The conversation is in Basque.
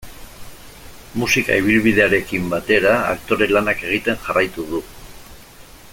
Musika ibilbidearekin batera aktore lanak egiten jarraitu du.